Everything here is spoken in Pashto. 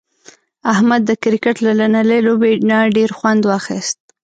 احمد د کرکټ له نننۍ لوبې نه ډېر خوند واخیست.